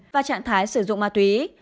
và trạng thái sử dụng ma túy